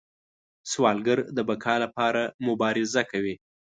سوالګر د بقا لپاره مبارزه کوي